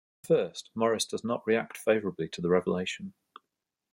At first, Maurice does not react favorably to the revelation.